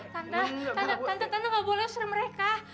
tante tante tante nggak boleh usur mereka